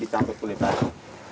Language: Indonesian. dari tanah kulit kulit pak